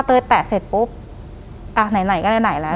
พอเตยแตะเสร็จปุ๊บอะไหนก็ไหนแล้วอืม